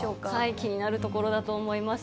気になるところだと思います。